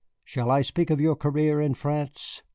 Shall I speak of your career in France?